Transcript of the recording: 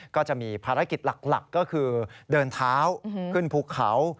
ก็จะมีภารกิจหลักก็คือเดินเท้าขึ้นภูเขา